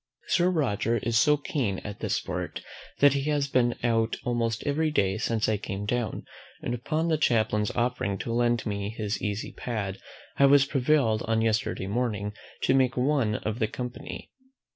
Sir Roger is so keen at this sport, that he has been out almost every day since I came down; and upon the chaplain's offering to lend me his easy pad, I was prevailed on yesterday morning to make one of the company.